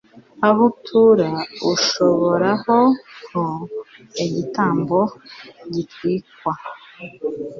awutura uhoraho ho igitambo gitwikwa